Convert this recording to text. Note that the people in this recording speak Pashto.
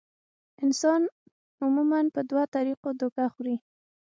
انسان عموماً پۀ دوه طريقو دوکه خوري -